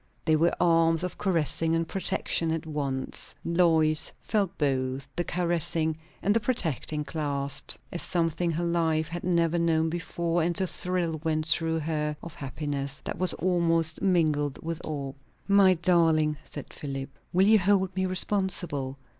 They were arms of caressing and protection at once; Lois felt both the caressing and the protecting clasp, as something her life had never known before; and a thrill went through her of happiness that was almost mingled with awe. "My darling!" said Philip "will you hold me responsible?